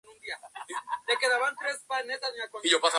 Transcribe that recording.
Adicionalmente, organizó cinco Simposios Int.